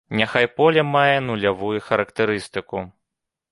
Няхай поле мае нулявую характарыстыку.